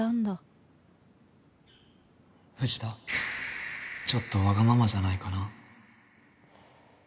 藤田ちょっとわがままじゃないかな？